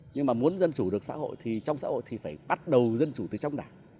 nhưng mà muốn dân chủ được xã hội thì trong xã hội thì phải bắt đầu dân chủ từ trong đảng